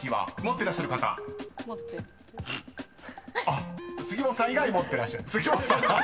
［あっ杉本さん以外持ってらっしゃる杉本さん？］